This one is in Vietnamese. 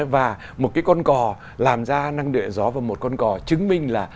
và một cái con cò làm ra năng lượng điện gió và một con cò chứng minh là